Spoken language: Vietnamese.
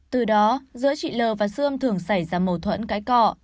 từ đó giữa chị l và sươm thường xảy ra mâu thuẫn cái cọ